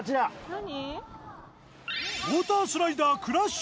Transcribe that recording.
何？